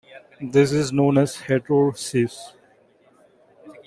This is known as heterosis.